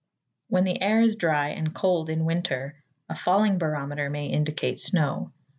When the air is dry and cold in winter a falling barometer may indicate snow.